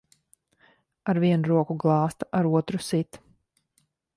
Ar vienu roku glāsta, ar otru sit.